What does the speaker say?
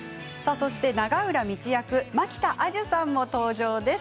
そして永浦未知役蒔田彩珠さんも登場です。